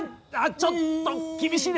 ちょっと厳しいですね。